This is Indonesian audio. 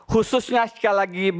khususnya sekali lagi